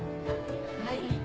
はい。